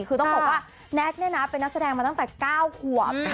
คือต้องบอกว่าแน็กเนี่ยนะเป็นนักแสดงมาตั้งแต่๙ขวบ